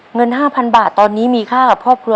เงิน๕๐๐๐บาทตอนนี้มีค่ากับครอบครัว